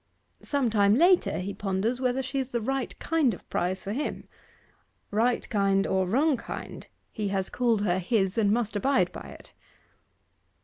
Sometime later he ponders whether she is the right kind of prize for him. Right kind or wrong kind he has called her his, and must abide by it.